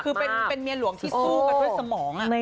คือเป็นเมียหลวงที่สู้กันด้วยสมอง